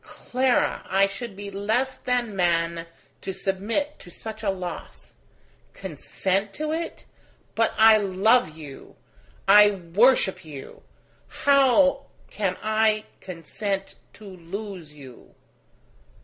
Clara, I should be less than man to submit to such a loss. Consent to it? But I love you! I worship you! How can I consent to lose you